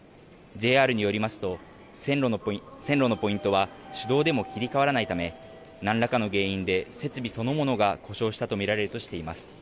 ＪＲによりますと線路のポイントは手動でも切り替わらないため何らかの原因で設備そのものが故障したと見られるとしています。